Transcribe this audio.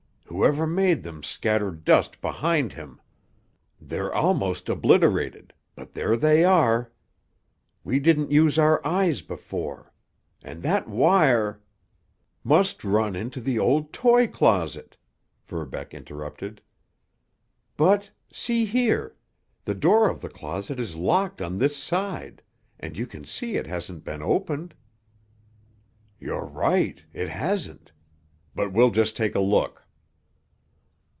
Whoever made them scattered dust behind him. They're almost obliterated—but there they are! We didn't use our eyes before. And that wire——" "Must run into the old toy closet," Verbeck interrupted. "But—see here! The door of the closet is locked on this side, and you can see it hasn't been opened." "You're right—it hasn't! But we'll just take a look!"